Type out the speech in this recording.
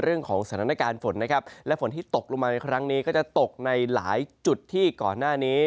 เรื่องของสถานการณ์ฝนนะครับและฝนที่ตกลงมาในครั้งนี้ก็จะตกในหลายจุดที่ก่อนหน้านี้